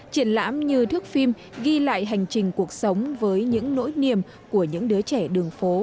triển lãm như thước phim ghi lại hành trình cuộc sống với những nỗi niềm của những đứa trẻ đường phố